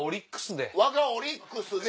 わがオリックスで。